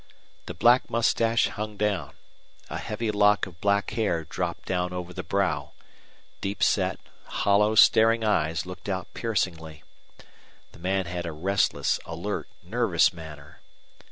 The black mustache hung down; a heavy lock of black hair dropped down over the brow; deep set, hollow, staring eyes looked out piercingly. The man had a restless, alert, nervous manner.